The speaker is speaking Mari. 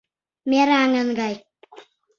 Мераҥын гай.